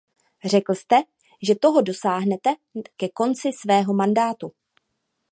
Řekl jste, že toho dosáhnete ke konci svého mandátu.